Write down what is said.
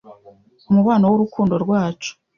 umubano wurukundo rwacu,